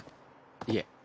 いえ。